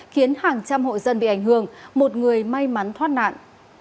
khiến hàng trăm hội dân bị ảnh hưởng một người may mắn thoát nạn